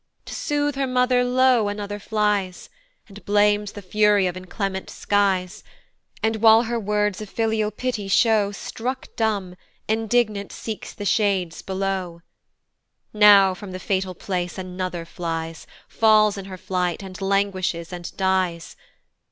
To sooth her mother, lo! another flies, And blames the fury of inclement skies, And, while her words a filial pity show, Struck dumb indignant seeks the shades below. Now from the fatal place another flies, Falls in her flight, and languishes, and dies.